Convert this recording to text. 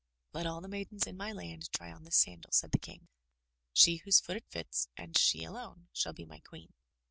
"Let all the maidens in my land try on this sandal," said the King. "She whose foot it fits, and she alone, shall be my queen."